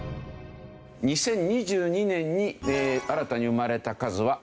２０２２年に新たに生まれた数は過去最少です。